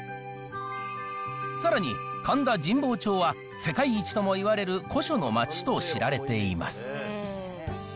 さらに、神田神保町は世界一ともいわれる古書の街と知られています。